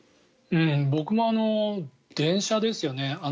僕も電車ですよね。